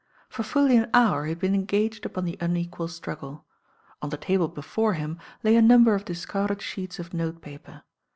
For fully an hour he had been engaged upon the unequal struggle. On the table before him lay a number of discarded sheets of note paper.